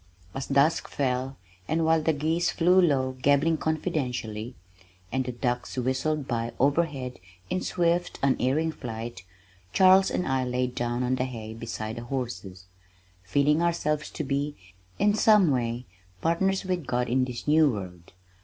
As dusk fell, and while the geese flew low gabbling confidentially, and the ducks whistled by overhead in swift unerring flight, Charles and I lay down on the hay beside the horses, feeling ourselves to be, in some way, partners with God in this new world.